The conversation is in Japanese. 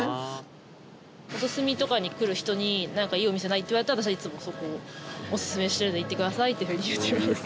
元住とかに来る人にいいお店ない？って言われたら私は、いつもそこをオススメしてるので行ってくださいっていう風に言ってます。